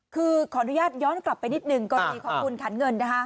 คือขออนุญาตย้อนกลับไปนิดหนึ่งกรณีของคุณขันเงินนะคะ